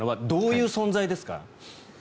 どういう存在ですか？